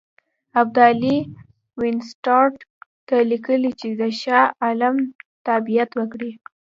ابدالي وینسیټارټ ته لیکلي چې د شاه عالم تابعیت وکړي.